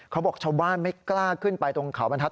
เขาบอกชาวบ้านไม่กล้าขึ้นขวบันทัศน์